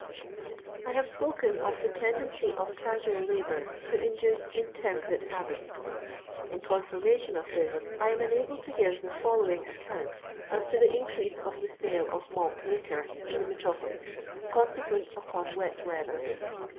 " I have spoken of tV.e tendency of casual labour to induce intemperate habits. In confirmation of this I am enabled to give the following account as to the i:icrease of the sale of malt liquor in the metropolis cons'tjucitt upon iret " mffHr.